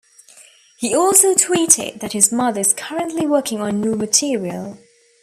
He also tweeted that his mother is currently working on new material.